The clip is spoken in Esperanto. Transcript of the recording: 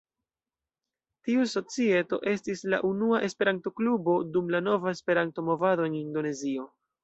Tiu societo estis la unua Esperanto-klubo dum la nova Esperanto-movado en Indonezio.